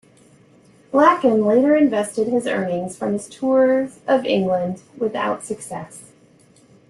Blackham later invested his earnings from his tours of England, without success.